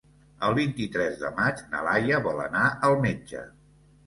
El vint-i-tres de maig na Laia vol anar al metge.